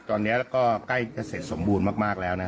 ตอนนี้แล้วก็ใกล้จะเสร็จสมบูรณ์มากแล้วนะ